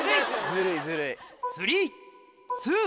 ずるいずるい。